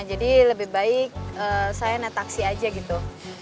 jadi lebih baik saya naik taksi aja gitu